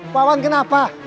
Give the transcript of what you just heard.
pak wan kenapa